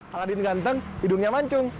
aladin ganteng hidungnya mancung